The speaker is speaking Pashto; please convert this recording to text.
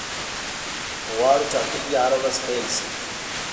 غواړو ټاکنې دي هره ورځ پیل شي.